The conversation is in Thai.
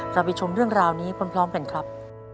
เราไปชมเรื่องราวนี้พร้อมกันครับ